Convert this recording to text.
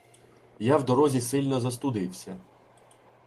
Я в дорозі сильно застудився.